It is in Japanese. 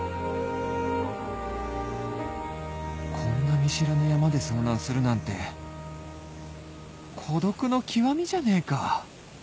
こんな見知らぬ山で遭難するなんて孤独の極みじゃねえか